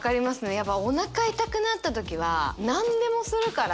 やっぱおなか痛くなった時は何でもするから。